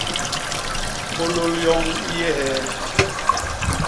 Hyôlôl yoñ i yé hee?